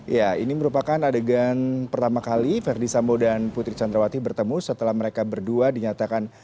ya ini merupakan adegan pertama kali verdi sambo dan putri candrawati bertemu setelah mereka berdua dinyatakan